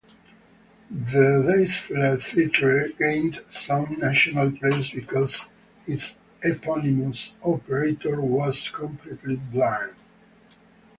The Deisler Theatre gained some national press because its eponymous operator was completely blind.